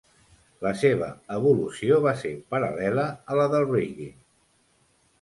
La seva evolució va ser paral·lela a la del reggae.